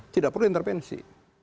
tidak perlu intervensi